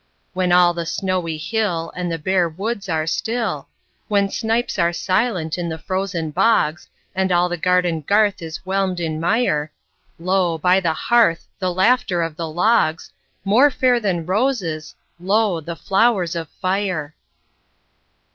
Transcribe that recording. When all the snowy hill And the bare woods are still; When snipes are silent in the frozen bogs, And all the garden garth is whelmed in mire, Lo, by the hearth, the laughter of the logs— More fair than roses, lo, the flowers of fire!